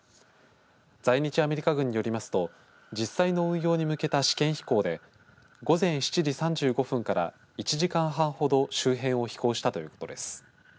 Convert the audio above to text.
在日アメリカ軍によりますと実際の運用に向けた試験飛行で午前７時３５分から１時間半ほど周辺を飛行したということです。